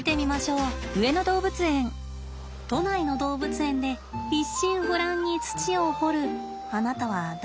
都内の動物園で一心不乱に土を掘るあなたは誰？